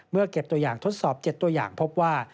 เก็บตัวอย่างทดสอบ๗ตัวอย่างพบว่า